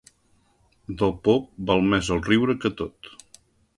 Del pop, val més el riure que tot.